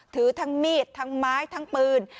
ถือทั้งมีดทั้งไม้ทั้งปืน